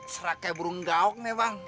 serak kayak burung gaok ya bang